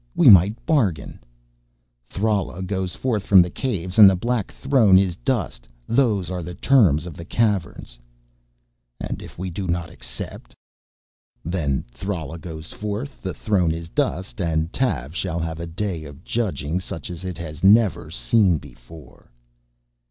We might bargain " "Thrala goes forth from the Caves and the black throne is dust, those are the terms of the Caverns." "And if we do not accept?" "Then Thrala goes forth, the throne is dust and Tav shall have a day of judging such as it has never seen before."